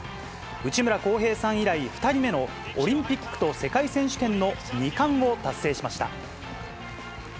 内村航平さん以来、２人目のオリンピックと世界選手権の２冠を達成しました。